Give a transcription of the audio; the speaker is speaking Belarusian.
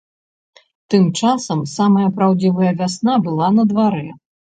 Тым часам самая праўдзівая вясна была на дварэ.